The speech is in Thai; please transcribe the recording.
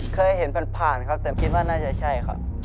เคยเห็นผ่านผ่านครับแต่คิดว่าน่าจะใช่ครับ